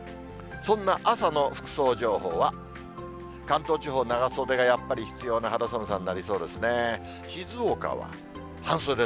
そんな朝の服装情報は、関東地方、長袖がやっぱり必要な肌寒さになりそうですね。